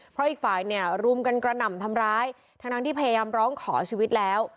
เพราะอีกฝ่ายเนี่ยรุมกันกระหน่ำทำร้ายทั้งที่พยายามร้องขอชีวิตแล้ว